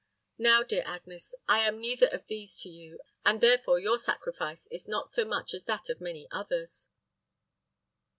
Now, dear Agnes, I am neither of these to you, and therefore your sacrifice is not so much as that of many others."